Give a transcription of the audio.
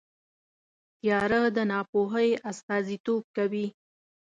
تیاره د ناپوهۍ استازیتوب کوي.